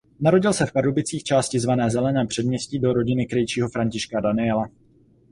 Narodil se v Pardubicích části zvané Zelené Předměstí do rodiny krejčího Františka Daniela.